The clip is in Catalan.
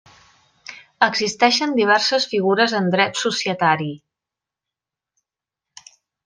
Existeixen diverses figures en Dret societari.